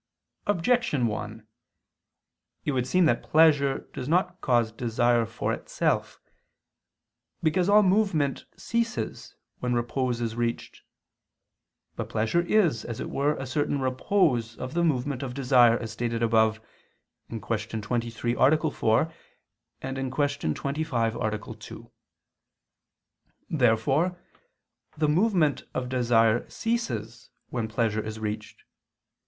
Objection 1: It would seem that pleasure does not cause desire for itself. Because all movement ceases when repose is reached. But pleasure is, as it were, a certain repose of the movement of desire, as stated above (Q. 23, A. 4; Q. 25, A. 2). Therefore the movement of desire ceases when pleasure is reached.